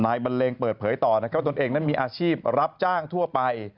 นายบันเลงเปิดเผยต่อว่าตนเองมีอาชีพรับจ้างทั่วไป